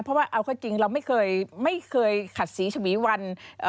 เพราะว่าเอาคือจริงเราไม่เคยขัดสีฉบีวัน